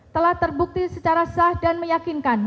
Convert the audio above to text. telah terbukti secara sah dan meyakinkan